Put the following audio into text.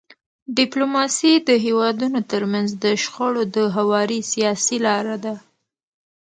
ډيپلوماسي د هیوادونو ترمنځ د شخړو د هواري سیاسي لار ده.